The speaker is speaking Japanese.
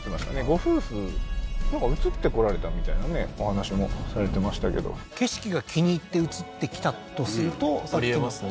ご夫婦なんか移って来られたみたいなねお話もされてましたけど景色が気に入って移ってきたとするとありえますね